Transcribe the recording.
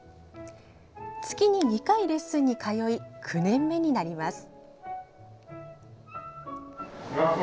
月に２回、レッスンに通い９年目になります。